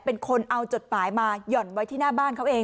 เป็นคนเอาจดหมายมาหย่อนไว้ที่หน้าบ้านเขาเอง